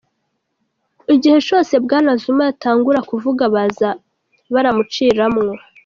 Igihe cose bwana Zuma yatangura kuvuga baza baramuciramwo.